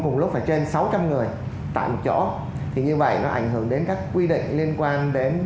cùng lúc phải trên sáu trăm linh người tại một chỗ thì như vậy nó ảnh hưởng đến các quy định liên quan đến